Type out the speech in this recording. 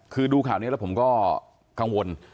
คือดูข่าวนี้แล้วผมก็กังวล